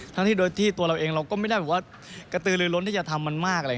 ทั้งที่โดยที่ตัวเราเองเราก็ไม่ได้กระตือลือล้นที่จะทำมันมาก